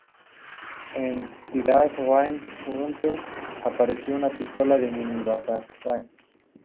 En "The Dark Knight Returns" apareció una pistola de mini-batarangs.